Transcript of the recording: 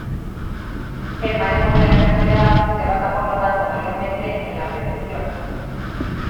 El manejo de la enfermedad se basa por lo tanto mayormente en la prevención.